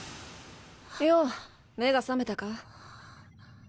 よぉ目が覚めたか？